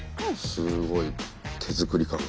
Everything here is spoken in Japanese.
すごい手作り感。